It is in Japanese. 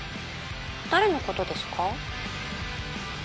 誰のことですか？